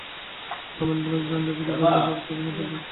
রমেন বললে, জান দেবীদের বর্ণনা আরম্ভ পদপল্লব থেকে?